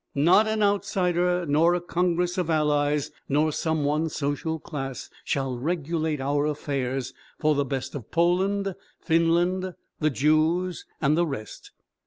Not an outsider, nor a congress of allies, nor some one social class shall regulate our affairs for the best of Poland, Finland, the Jews and the rest.